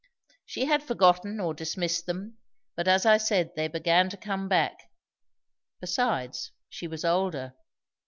She had forgotten or dismissed them, but as I said they began to come back. Besides, she was older.